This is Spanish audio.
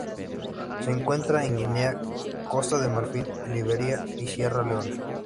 Se encuentran en Guinea, Costa de Marfil, Liberia y Sierra Leona.